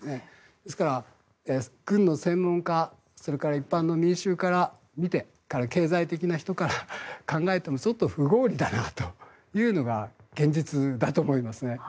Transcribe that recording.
ですから、軍の専門家それから一般の民衆から見て経済的な人から考えてもちょっと不合理だなというのが現実だと思います。